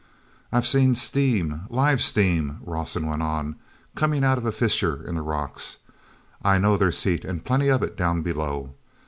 "I've seen steam, live steam," Rawson went on, "coming out of a fissure in the rocks. I know there's heat and plenty of it down below.